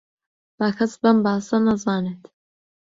با کەس بەم باسە نەزانێت